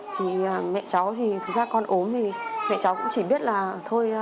thì mẹ cháu thì thực ra con ốm thì mẹ cháu cũng chỉ biết là thôi